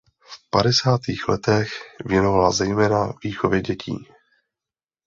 V padesátých letech věnovala zejména výchově dětí.